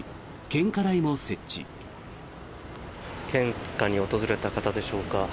献花に訪れた方でしょうか。